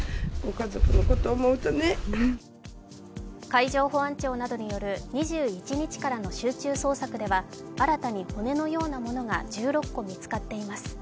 海上保安庁などによる２１日からの集中捜索では、新たに骨のようなものが１６個見つかっています。